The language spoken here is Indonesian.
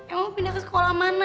emang pindah ke sekolah mana